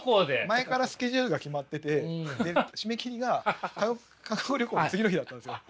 前からスケジュールが決まってて締め切りが韓国旅行の次の日だったんですよ。